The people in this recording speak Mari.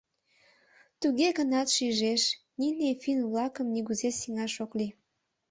Туге гынат шижеш: нине финн-влакым нигузе сеҥаш ок лий.